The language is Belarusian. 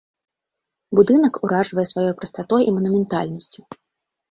Будынак уражвае сваёй прастатой і манументальнасцю.